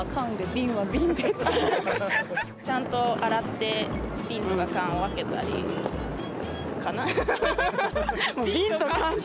ちゃんと洗ってビンとかカンを分けたりかな。